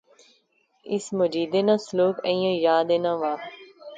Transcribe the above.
اس مجیدے ناں سلوک ایہہ یاد اینا وہا